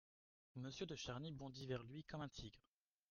Monsieur de Charny bondit vers lui comme un tigre.